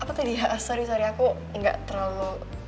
apa tadi sorry aku gak terlalu